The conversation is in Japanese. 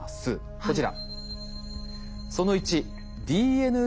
こちら。